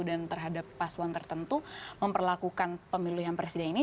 dan terhadap pasuan tertentu memperlakukan pemilihan presiden ini